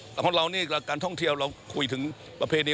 แต่ของเรานี่การท่องเที่ยวเราคุยถึงประเพณี